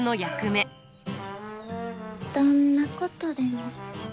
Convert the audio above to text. どんなことでも。